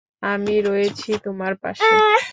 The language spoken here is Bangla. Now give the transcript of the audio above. আমি রয়েছি তোমার পাশে।